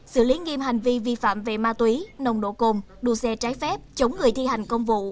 xử lý nghiêm hành vi vi phạm về ma túy nồng độ cồn đua xe trái phép chống người thi hành công vụ